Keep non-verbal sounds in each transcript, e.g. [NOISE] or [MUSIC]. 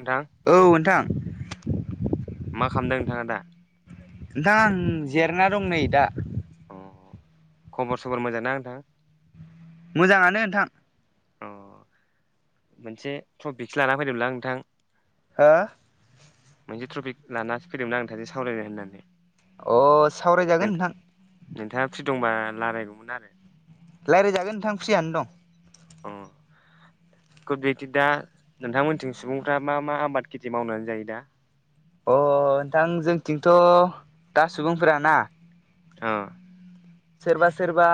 नोंथां औ नोंथां। मा खालामदों नोंथाङा दा? नोंथा आं जेरना दं नै दा। अ खबर सबर मोजां ना नोंथां? मोजाङानो नोंथां। अ मोनसे ट्रपिकसो लानानानै फैदोंमोनलांं नोंथां। हो? मोनसे ट्रफिक लानासो फैदोंमोन आं नोंथांजों सावरायनो होननानै। अ सावरायजागोन नोंथां। नोंथाङा फ्रि दंबा रायलायगौमोन आरो। रायज्लायजागोन नोंथां फ्रियानो दं। औ। गुद बिदि दा नोंथांमोनथिं सुबुंफ्रा मा मा आबाद खेथि मावनानै जायो दा? अ नोंथां जोंथिंथ' दा सुबुंफोराना औ। सोरबा सोरबा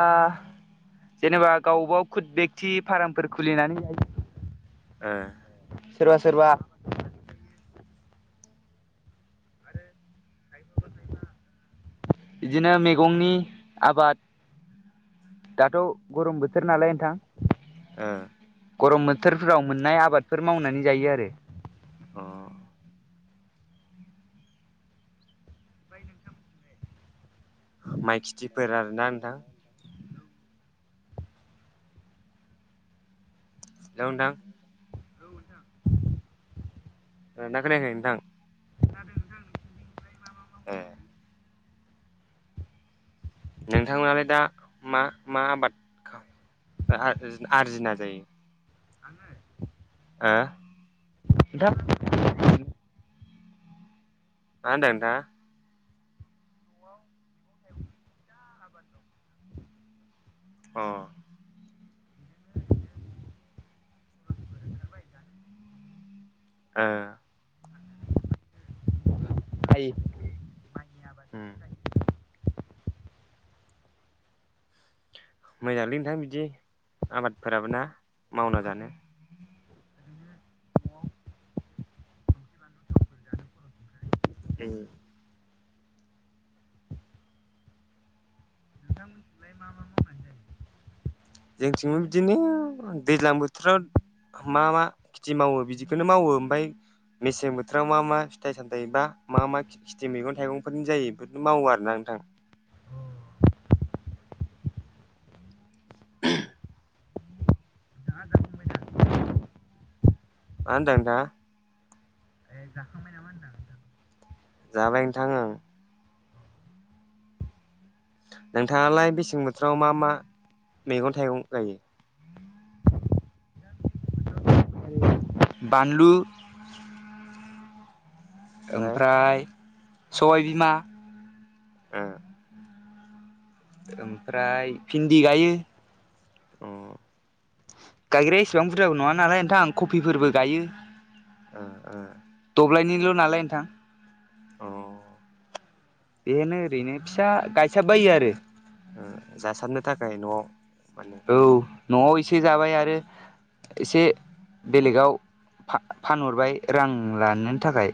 जेनेबा गाव गाव खुद बेक्ति फार्मफोर खुलिनानै जायो। ओ। सोरबा सोरबा [INAUDIBLE] बिदिनो मैगंनि आबाद दाथ' गरम बोथोर नालाय नोंथां गरम बोथ बोथोरफोराव मोननाय आबादफोर मावनानै जायो आरो। अ। ओमफाय नोंथांमोनथिंलाय? माइ खेथिफोर आरोना नोंथां। हेलौ नोंथां खोनादोंना खोनायाखै नोंथां? ए। नोंथांमोनालाय दा मा मा आबाद? ओ आर्जियो आरजिनानै आङो? हो। दाब मा होन्दों नोंथाङा? अ। ओ। हम। मोजांलै नोंथां बिदि आबादफोराबो ना मावना जानो। उम। ओमफ्राय मा मा मावनानै जायो? जोंथिंबो बिदिनो दैज्लां बोथोराव मा मा खेथि मावो बिदिखौनो मावो ओमफाय मेसें बोथोराव मा मा फिथाइ सामथाय बा मा मा खिथि मैगं थाइगंफोरनि जायो बेफोरखौ मावो आरोना नों थां। दा जाखांबाय दा? मा होन्दों नोंथाङा? ए जाखांबाय नामा होनदां? जाबाय नोंथां औ। नोंथाङालाय बेसें बोथोराव मा मा मैगं थाइगं गायो? बानलु ओमफाय ओमफ्राय सबायबिमा ए ओमफ्राय भिन्दि गायो। अ। गायग्राया इसेबां बुरजाबो नङा नालाय नोंथां आं कफिफोरबो गायो आ आ। दब्लायनिल' नालाय नोंथां। अ। बेनो ओरैनो फिसा गाय आ जासारनो थाखाय न'आव माने औ न'आव एसे जाबाय आरो एसे बेलेगाव फा फानहरबाय रां लानो थाखाय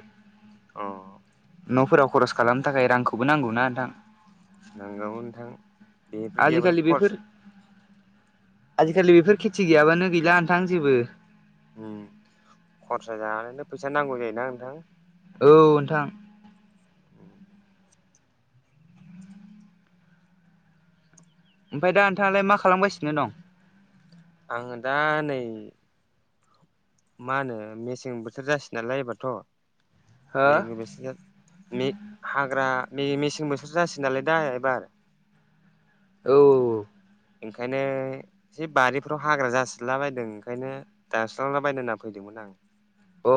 अ। न'फोराव खरस खालामनो थाखाय रांखौबो नांगौना नोंथां। नांगौमोन नोंथां बेफोर गैयाबानो आजिखालि बेफोर खर्स आजिखालि बेफोर खेथि गैयाबानो गैला नोंथां जेबो। उम खरसा जानायनि फैसा नांगौ जायोना नोंथां। औ नोंथां। ओमफाय दा नोंथाङालाय मा खालामगासिनो दं। आङो दा नै मा होनो मेसें बोथोर जासै नालाय हो एबारथ' हाग्रा मे मेसें बोथोर जासिगोन नालाय दा एबार औ औ औ ओंखायनो एसे बारिफ्राव हाग्रा जासिला बायदों ओंखायनो दानस्रांलाबायनो होनना फैदोंमोन [UNINTELLIGIBLE] अ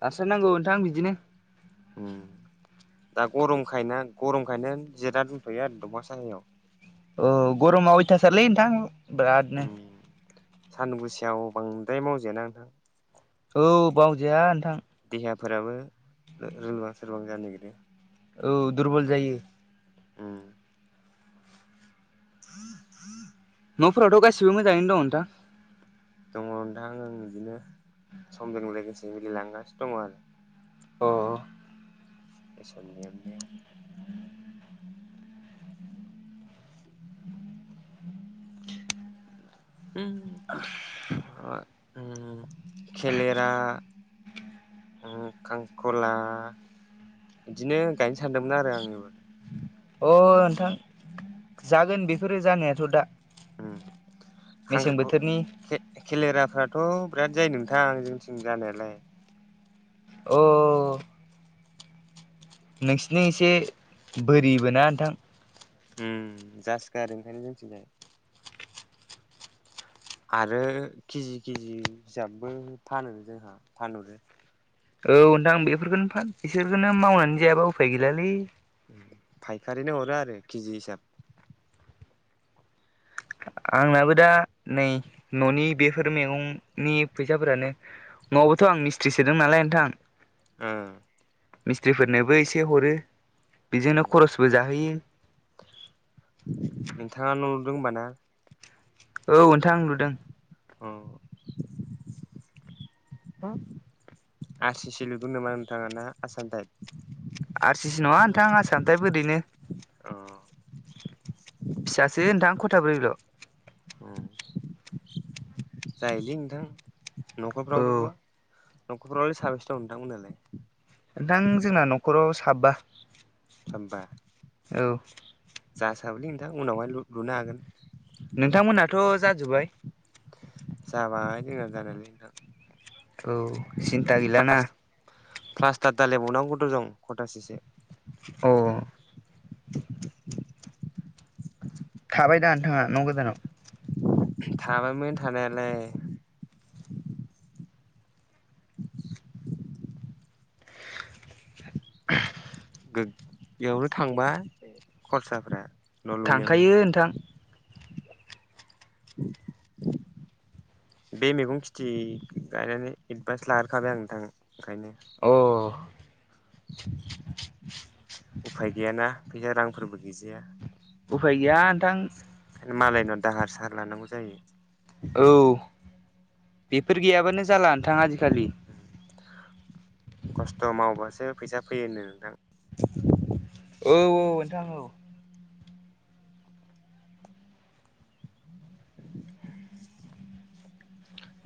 दासो नांगौ नोंथां बिदिनो। उम दा गरमखायना गरमखायनो जिरायना दंथ'यो आरो दंफां साहायाव औ गरमा अयथासारलै नोंथां बिरादनो सानदुं गोसायाव बांद्राय मावजाया नोंथां। औ मावजाया नोंथां। देहाफोराबो लोरबां सोरबां जानो नागिरो औ दुरबल जायो। उम [INAUDIBLE] न'फोरावथ' गासिबो मोजाङैनो दं नोंथां। दङ नोंथां आं बिदिनो समजों लोगोसे मिलायलांगासिनो दङ आरो अह इसोरनि अननायाव [INAUDIBLE] उम खेलेरा [INAUDIBLE] खांख्रिख'ला बिदिनो गायनो सानदोंमोन आरो आं अ नोंथां जागोन बेफोरो जानायाथ' दा मेसें बोथोरनि खांख्रिख'ला खेलेराफ्राथ' बिराद जायो नोंथां जोंथिं जानायालाय औ नोंसिनि एसे बोरिबो ना नोंथां ओम जासोगारो ओंखायनो जोंनिथिंजाय आरो केजि केजि हिसाबबो फानो जोंहा फानहरो औ नोंथां आं बेफोरखौनो फा बिसोरखौनो मावनानै जायाबा उफाय गैलालै फायखारिनो हरो आरो केजि हिसाब [INAUDIBLE] आंनाबो दा नै न'नि बेफोर मैगंनि फैसाफोरानो न'आवबोथ' आं मिस्ट्रि सोदों नालाय नोंथां उम मिस्थ्रिफोरनोबो एसे हरो बेजोंनो खरसबो जाहोयो नोंथाङा न' लुदों होनबा ना। औ नोंथां लुदों। औ। हेलौ आरसिसि लुदों नामा नोंथाङा ना आसाम टाइप। आरसिसि नङा नोंथां आसामटाइप बायदिनो औ फिसासो नोंथां खथाब्रैल' औ जायो नोंथां औ न'खरफ्रावबो न'खरफ्रावलाय साबैसे' दं नोंथांमोनालाय? नोंथां जोंना न'खराव साबा। सा बा औ जासाबलै नोंथां उनावहाय लुनो हागोन। नोंथांमोनहाथ' जाजोब्बाय। जाबाय जोंना जानायालाय औ सिनथा गैला ना प्लास प्लास्टार दालायबावनांगौ दं खथासेसो औ थाबाय दा नोंथाङा न' गोदानाव थाबायमोन थानायालाय गोगोमानो थांबाय खरसाफ्रा न' लुनायावनो थांखायो नोंथां [INAUDIBLE] बे मैगं खेथि गायनानै एडभान्स लाग्रोखाबाय आं नोंथां ओंखायनो अ उफाय गैयाना फैसा रांफोरबो गैजाया उफाय गैया नोंथां। ओंखायनो मालायनाव दाहार साहार लानांगौ जायो। औ बेफोर गैयाबानो जाला नोंथां आजिखालि खस्थ' मावबासो फैसा फैयोनो नोंथां। औ-औ नोंथां औ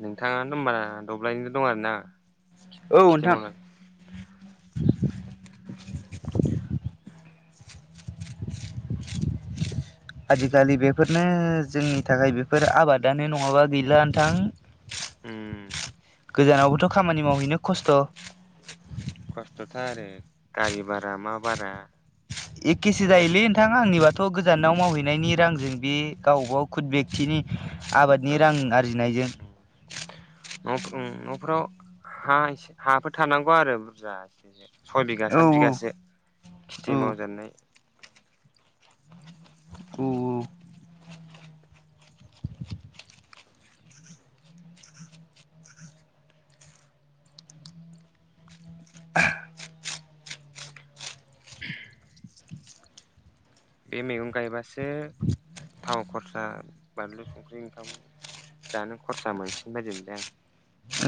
नोंथाङा होनबा दब्लायनैल' दं आरोना औ खेथि नोंथां मावनानै [INAUDIBLE] [INAUDIBLE] [INAUDIBLE] आजिखालि बेफोरनो जोंनि थाखाय बेफोर आबादानो नङाबा गैला नोंथां। ओम गोजानावबोथ' खामानि मावहैनो खस्थ' खस्थ'थार आरो गारि भारा मा भारा एखेसो फैसा जायोलै नोंथां आंनिबाथ' गोजानाव मावहैनायनि रांजों बे गाव गाव खुद बेक्टिनि आबादनि रां आरजिनायजों ओम न'फ्राव हा एसे हाफोर थानांगौ आरो बुरजा सय बिघा औ सात बिघासो औ खेथि औ मावजानाय औ [INAUDIBLE] बे मैगं गायबासो थाव खरसा बानलु संख्रि ओंखाम जानो खरसा मोनसिगोन बायदिमोनबाय आं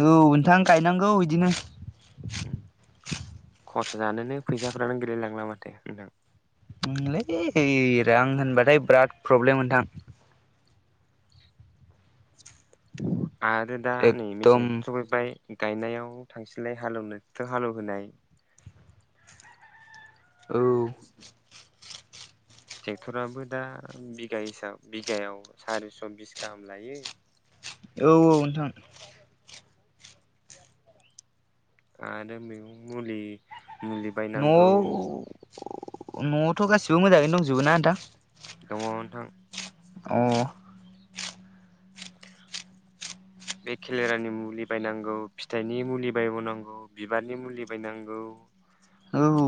औ नोंथां गायनांगौ बिदिनो खरसा जानोनो फैसाफ्रानो गैलायलांला माथो नोंथां ओं लै दे- दे आं होनबाथाय बिराद प्रब्लेम नोंथां आरो दा नै एकदम मेसें सफैबाय गायनायाव थांसैलाय हालेवनाय ट्रेक्टर' हालेवहोनाय औ ट्रेक्टराबो दा बिगा हिसाब बिगायाव सारिस' बिस गाहाम लायो। औ औ नोंथां। आरो बेनि मुलि मुलि बायनांगौ न'आव- न'आवथ' गासिबो मोजाङैनो दंजोबो ना नोंथां? दङ नोंथां अह। बे खेलेरानि मुलि बायनांगौ फिथाइनि मुलि बायबावनांगौ बिबारनि मुलि बायनांगौ। औ।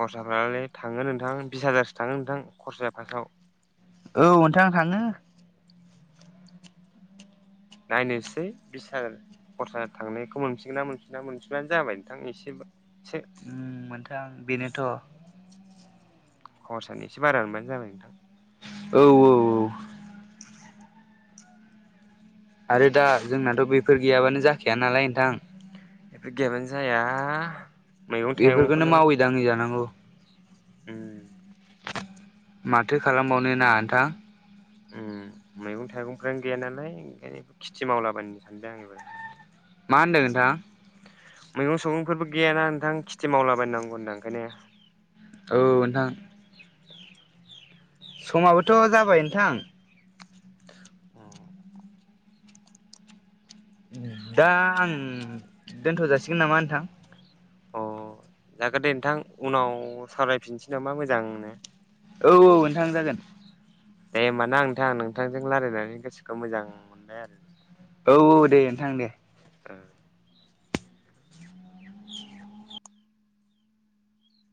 खरसाफ्रालाय थाङो नोंथां बिस हाजारसो थाङो नोंथां खरसाया फास्टआव। औ नोंथां थाङो। नायनोसै बिस हाजार खरसा थांनायखौ मोनफिनगोनना मोनफिनना मोनफिनबानो जाबाय नोंथां एसे एसे मोनथों बेनोथ' खरसानि एसे बारा मोनबानो जाबाय नोंथां। औ औ। आरो दा जोंनाथ' बेफोर गैयाबानो जाखाया नालाय नोंथां। बेफोर गैयाबानो जाया। मैगं बेफोरखौनो थाइगंखौनो मावै दाङै जानांगौ उम। माथो खालामबावनो ना नोंथां। मैगं थाइगंफ्रानो गैया नालाय ओंखायनो खेथि मावलाबानोनो सानदों आं एबार मा होनदों नोंथां? मैगं सैगंफोरबो गैयाना नोंथां खेथि मावलाबायनांगौ होनदों ओंखायनो औ नोंथां। समाबोथ' जाबाय नोंथां। दा आं दोनथ' जासिगोन नामा नोंथां। अ जागोन दे नोंथां उनाव सावरायफिनसै नामा मोजांनो। औ औ नोंथां जागोन। दे होनबा ना नोंथां नोंथांजों रायलायनानै गोसोखौ मोजां मोनबाय आरो। औ औ दे नोंथां दे। ओ।